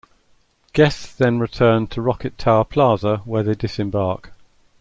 Guests then return to Rocket Tower Plaza where they disembark.